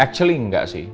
actually enggak sih